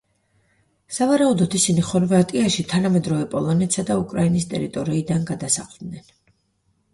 სავარაუდოდ ისინი ხორვატიაში თანამედროვე პოლონეთისა და უკრაინის ტერიტორიიდან გადასახლდნენ.